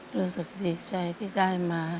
รู้สึกดีใจที่ได้มา